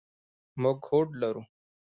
موږ هوډ لرو.